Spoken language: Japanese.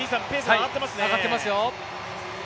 上がってますよ！